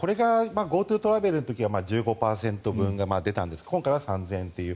これがＧｏＴｏトラベルの時は１５％分が出たんですが今回は３０００円という。